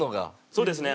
そうですね。